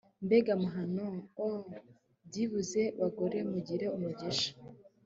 mbega amahano! - ah! byibuze, bagore, mugire umugisha